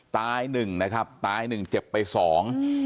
ตายหนึ่งนะครับตายหนึ่งเจ็บไปสอง